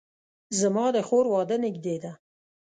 زما د خور واده نږدې ده